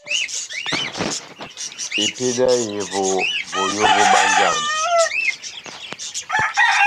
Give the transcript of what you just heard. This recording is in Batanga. Epédi yá ehevo, voyó vobánjandini.